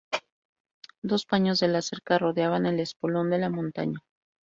Dos paños de la cerca rodeaban el espolón de la montaña.